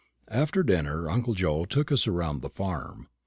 After dinner uncle Joe took us round the farm.